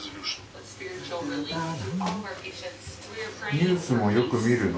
ニュースもよく見るの？